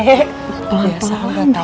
punya pacar punya pistil